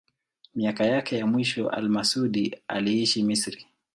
Miaka yake ya mwisho al-Masudi aliishi Misri.